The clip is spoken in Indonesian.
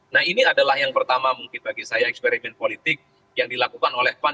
nah ini adalah yang pertama mungkin bagi saya eksperimen politik yang dilakukan oleh pan